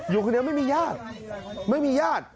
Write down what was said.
อยู่คนเดียวไม่มีญาติ